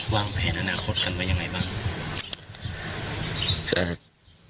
วางแผนอนาคตกันว่ายังไงบ้าง